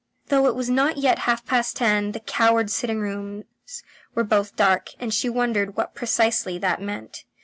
Though it was not yet half past ten the cowards' sitting rooms were both dark, and she wondered what precisely that meant.